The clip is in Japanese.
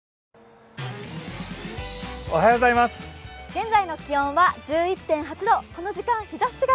現在の気温は１１．８度。